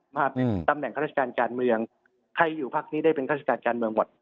มาเป็นตำแหน่งข้าราชการการเมืองใครอยู่พักนี้ได้เป็นข้าราชการการเมืองหมด